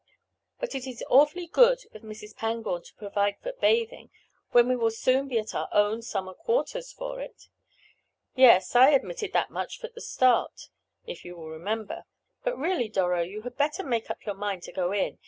"But it is awfully good of Mrs. Pangborn to provide for bathing when we will soon be at our own summer quarters for it." "Yes, I admitted that much at the start, if you will remember. But, really, Doro, you had better make up your mind to go in.